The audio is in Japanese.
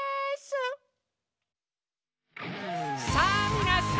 さぁみなさん！